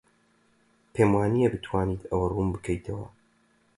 پێم وانییە بتوانیت ئەوە ڕوون بکەیتەوە.